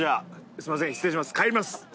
すいません。